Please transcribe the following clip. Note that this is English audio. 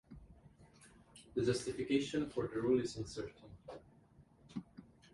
The justification for the rule is uncertain.